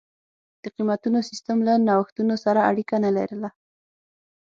د قېمتونو سیستم له نوښتونو سره اړیکه نه لرله.